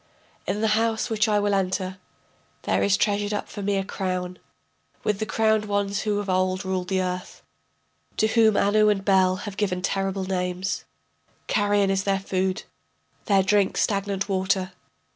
In the house which I will enter There is treasured up for me a crown, With the crowned ones who of old ruled the earth, To whom Anu and Bel have given terrible names, Carrion is their food, their drink stagnant water.